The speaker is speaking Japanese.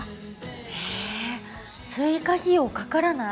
へえ追加費用かからない。